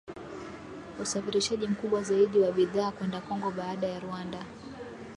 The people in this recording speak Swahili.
usafirishaji mkubwa zaidi wa bidhaa kwenda Kongo, baada ya Rwanda